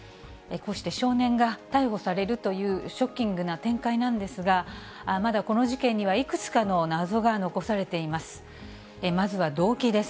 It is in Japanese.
こうして少年が逮捕されるというショッキングな展開なんですが、まだこの事件にはいくつかの謎が残されています。